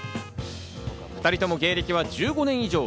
２人とも芸歴は１５年以上。